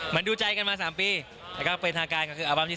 มันดูใจกันมา๓ปีแล้วก็เป็นทางการก็คืออัลบั้มที่๓